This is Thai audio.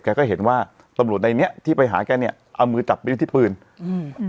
แกก็เห็นว่าตำรวจในเนี้ยที่ไปหาแกเนี้ยเอามือจับไปด้วยที่ปืนอืม